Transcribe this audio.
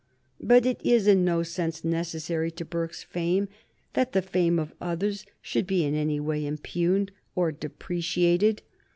But it is in no sense necessary to Burke's fame that the fame of others should be in any way impugned or depreciated.